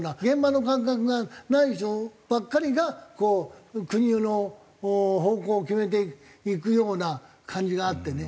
現場の感覚がない人ばっかりが国の方向を決めていくような感じがあってね